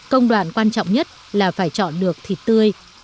công đoạn quan trọng nhất là phải chọn được thịt tươi